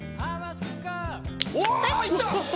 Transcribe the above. おおいった！